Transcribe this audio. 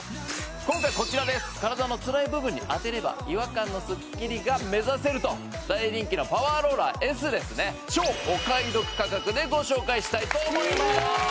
今回こちらです体のつらい部分に当てれば違和感のすっきりが目指せると大人気なパワーローラーＳですねでご紹介したいと思います！